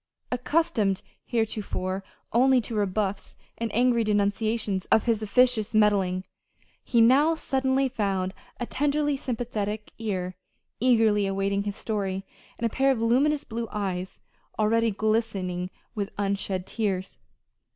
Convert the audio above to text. Accustomed heretofore only to rebuffs and angry denunciations of his "officious meddling," he now suddenly found a tenderly sympathetic ear eagerly awaiting his story, and a pair of luminous blue eyes already glistening with unshed tears.